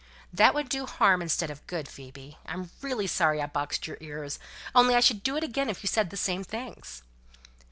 "That would do harm instead of good. Phoebe, I'm really sorry I boxed your ears, only I should do it again if you said the same things."